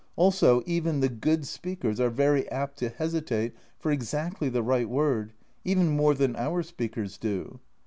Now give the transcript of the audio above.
Also, even the good speakers are very apt to hesitate for exactly the right word, even more than our speakers do.